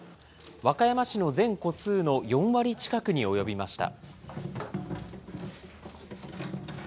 和歌山市の全戸数の４割近くに及びました。